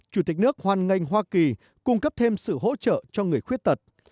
chủ tịch nước hoan nghênh hoa kỳ cung cấp thêm sự hỗ trợ cho người khuyết tật